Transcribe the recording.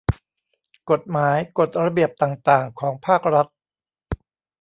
กฎหมาย กฎระเบียบต่างต่าง ของภาครัฐ